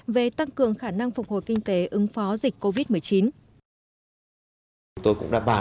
về tăng cường khả năng phục hồi kinh tế ứng phó dịch covid một mươi chín